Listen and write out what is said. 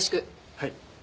はい。